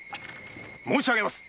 申し上げます。